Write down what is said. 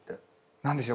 何でしょう。